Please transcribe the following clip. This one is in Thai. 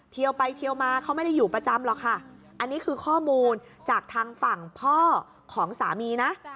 ไปเทียวมาเขาไม่ได้อยู่ประจำหรอกค่ะอันนี้คือข้อมูลจากทางฝั่งพ่อของสามีนะ